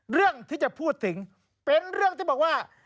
เรื่องที่จะพูดถึงเป็นเรื่องที่บอกว่า